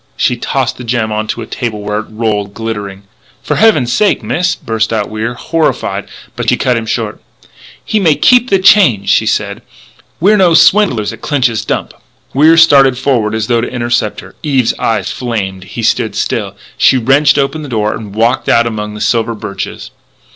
She tossed the gem onto a table, where it rolled, glittering. "For heaven's sake, Miss " burst out Wier, horrified, but she cut him short: " He may keep the change," she said. "We're no swindlers at Clinch's Dump!" Wier started forward as though to intercept her. Eve's eyes flamed. And he stood still. She wrenched open the door and walked out among the silver birches.